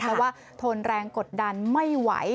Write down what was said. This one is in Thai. เพราะว่าทนแรงกดดันไม่ไหว